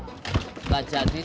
nggak jadi tuh